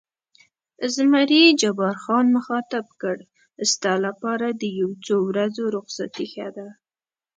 زمري جبار خان مخاطب کړ: ستا لپاره د یو څو ورځو رخصتي ښه ده.